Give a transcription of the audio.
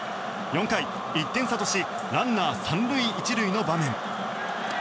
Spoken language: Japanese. ４回、１点差としランナー３塁１塁の場面。